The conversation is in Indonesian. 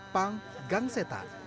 punk gang setan